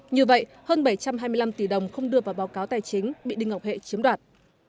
như vậy hơn bảy trăm hai mươi năm tỷ đồng không đưa vào báo cáo tài chính bị đinh ngọc hệ chiếm đoạt